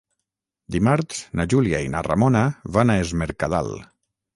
Dimarts na Júlia i na Ramona van a Es Mercadal.